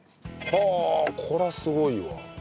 はあこれはすごいわ。